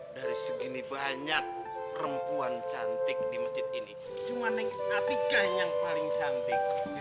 dari segini banyak perempuan cantik di masjid ini cuma atika yang paling cantik